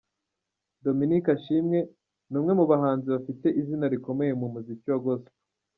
Dominic Ashimwe ni umwe mu bahanzi bafite izina rikomeye mu muziki wa Gospel.